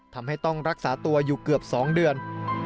ทำให้ต้องรักษาตัวอยู่เกือบ๒เดือน